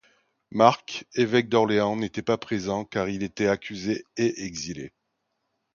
Marc, évêque d'Orléans n'était pas présent car il était accusé et exilé.